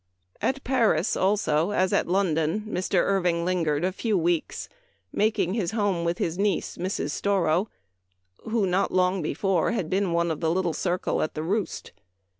At Paris also, as at London, Mr. Irving lingered a few weeks, making his home with his niece, Mrs. Storrow, who, not long before, had been one of the little circle at the " Roost."